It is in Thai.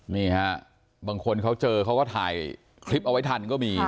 นี่ฮะบางคนเขาเจอเขาก็ถ่ายคลิปเอาไว้ทันก็มี